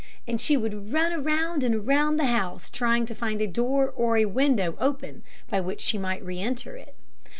And she would run round and round the house, trying to find a door or window open by which she might re enter it.